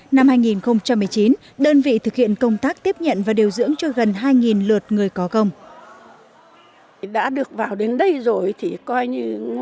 năm hai nghìn một mươi chín đơn vị thực hiện công tác tiếp nhận và điều dưỡng cho gần hai lượt người có công